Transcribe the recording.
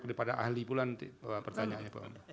daripada ahli pula nanti pertanyaannya